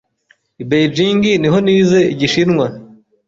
I Beijing niho nize Igishinwa.